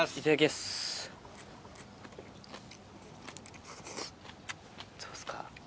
どうっすか？